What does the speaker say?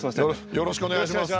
よろしくお願いします。